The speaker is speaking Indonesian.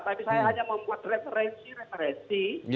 tapi saya hanya membuat referensi referensi